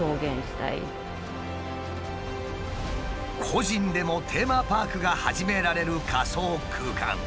個人でもテーマパークが始められる仮想空間。